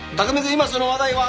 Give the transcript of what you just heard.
今その話題は。